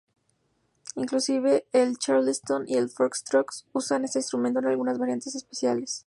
Inclusive el charlestón y el "foxtrot" usan este instrumento en algunas variantes especiales.